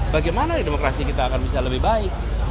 bagaimana demokrasi kita akan bisa lebih baik